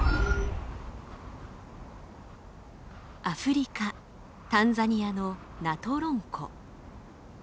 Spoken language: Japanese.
アフリカタンザニアのナトロン湖。